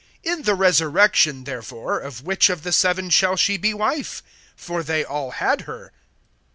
(28)In the resurrection therefore, of which of the seven shall she be wife? For they all had her.